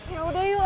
ya udah yuk